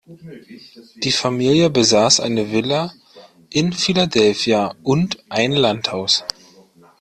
Die Familie besaß eine Villa in Philadelphia und ein Landhaus.